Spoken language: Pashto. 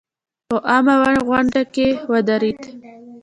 په عامه غونډه کې ودرېد.